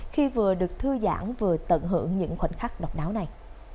khi vừa được thư giãn vừa tận hưởng những khoảnh khắc độc đáo này